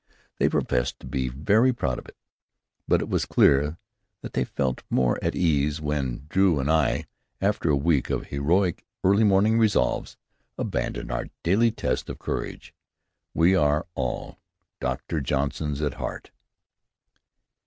They professed to be very proud of it, but it was clear that they felt more at ease when Drew and I, after a week of heroic, early morning resolves, abandoned our daily test of courage. We are all Doctor Johnsons at heart.